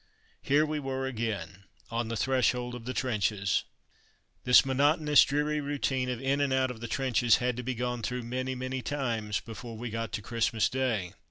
Here we were again, on the threshold of the trenches. This monotonous dreary routine of "in" and "out" of the trenches had to be gone through many, many times before we got to Christmas Day.